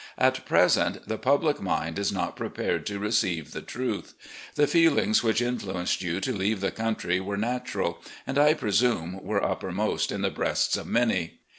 At present, the public mind is not prepared to receive the truth. The feelings which influenced you to leave the country were natural, and, I presume, were uppermost in the breasts of many.